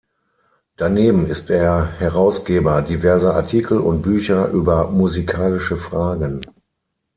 Daneben ist er Herausgeber diverser Artikel und Bücher über musikalische Fragen.